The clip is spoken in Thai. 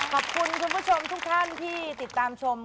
ขอบคุณคุณผู้ชมทุกท่านที่ติดตามชม